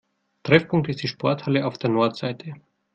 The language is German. Treffpunkt ist die Sporthalle auf der Nordseite.